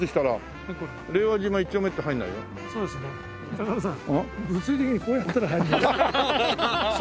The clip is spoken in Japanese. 高田さん。